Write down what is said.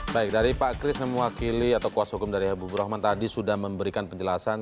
baik dari pak kris yang mewakili atau kuasa hukum dari habibur rahman tadi sudah memberikan penjelasan